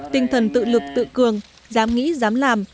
tinh thần tự lực tự cường dám nghĩ dám làm